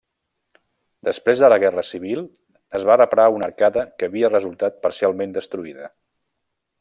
Després de la Guerra Civil es va reparar una arcada que havia resultat parcialment destruïda.